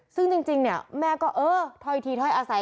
ซึ่งจริงแม่ก็เอ่อถอยทีถอยอาศัย